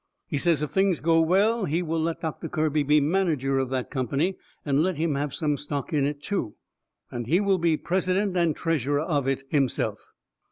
He says if things go well he will let Doctor Kirby be manager of that company, and let him have some stock in it too, and he will be president and treasurer of it himself.